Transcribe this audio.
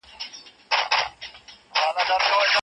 دسترخوان په پټي کې هوار شو.